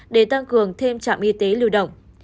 để tăng cường thêm trạm y tế lưu động